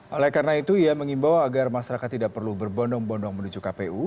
oleh karena itu ia mengimbau agar masyarakat tidak perlu berbondong bondong menuju kpu